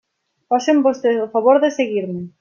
Facen vostès el favor de seguir-me.